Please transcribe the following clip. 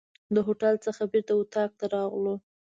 د هوټل څخه بیرته اطاق ته راغلو.